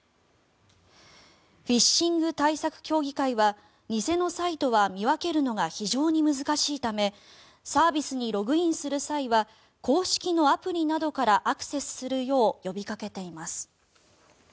フィッシング対策協議会は偽のサイトは見分けるのが非常に難しいためサービスにログインする際は公式のアプリなどからアクセスするよう呼びかけています。